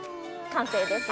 完成です。